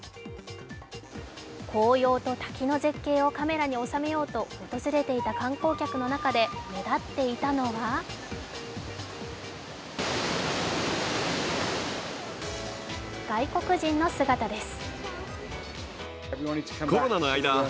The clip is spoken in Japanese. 紅葉と滝の絶景をカメラに収めようと訪れていた観光客の中で目立っていたのは外国人の姿です。